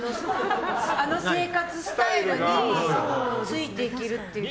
あの生活スタイルについていけるっていうのは。